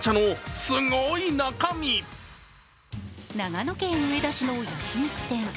長野県上田市の焼き肉店。